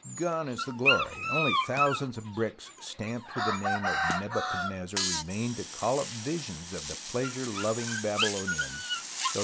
Gone is the glory. Only thousands of bricks stamped with the name of Nebuchadnezzar remain to call up visions of the pleasure loving Babylonians who were swept away by lire and sword.